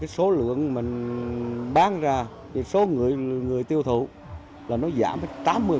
tám mươi số lượng mình bán ra số người tiêu thụ là nó giảm hết tám mươi